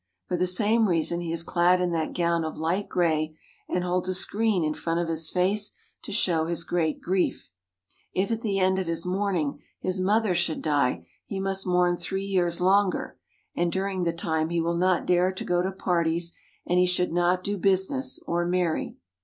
For the same reason he is clad in that gown of light gray and holds a screen in front of his face to show his great grief. If at the end of his mourn ing his mother should die, he must mourn three years longer, and dur ing the time he will not dare to go to parties, and he should not do business or marry.